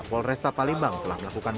polresta palembang telah melakukan